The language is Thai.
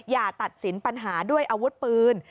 อย่าตัดสินปัญหาด้วยอาวุธปืน